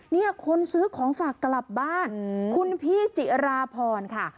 เนี่ยคนซื้อของฝากกลับบ้านคุณพี่จิราพรค่ะ